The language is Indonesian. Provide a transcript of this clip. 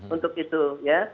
untuk itu ya